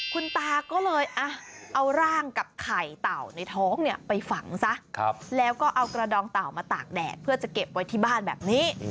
คุณตาก็เลยเอาร่างกับไข่เต่าในท้องเนี่ยไปฝังซะแล้วก็เอากระดองเต่ามาตากแดดเพื่อจะเก็บไว้ที่บ้านแบบนี้